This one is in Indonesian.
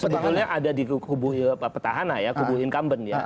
sebetulnya ada di kubu petahana ya kubu incumbent ya